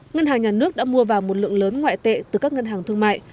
ngân hàng nhà nước đã mua vào một lượng lớn ngoại tệ từ các ngân hàng thương mại